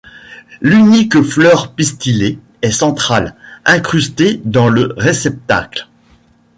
L'unique fleur pistillée est centrale, incrustée dans le réceptacle.